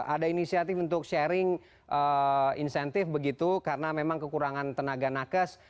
ada inisiatif untuk sharing insentif begitu karena memang kekurangan tenaga nakes